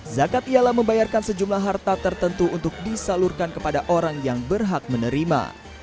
zakat ialah membayarkan sejumlah harta tertentu untuk disalurkan kepada orang yang berhak menerima